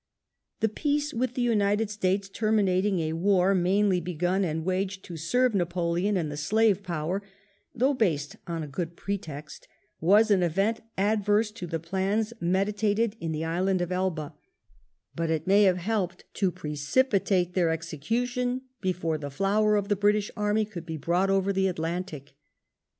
The peace with the United States, terminat ing a war mainly begun and waged to serve Napoleon and the Slave Power, though based on a good pretext, was an event adverse to the plans meditated in the island of Elba ; but it may have helped to precipitate their execution before the flower of the British army could be brought over the Atlantic.